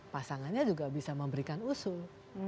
pasangannya juga bisa memberikan usul